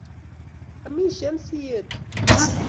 amishe sietu